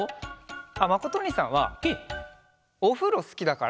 あっまことおにいさんはおふろすきだから。